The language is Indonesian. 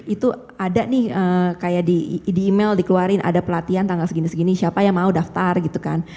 itu ada nih kayak di email dikeluarin ada pelatihan tanggal segini segini siapa yang mau daftar gitu kan